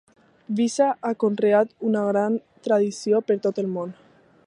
Visa ha conreat una gran tradició per tot el món.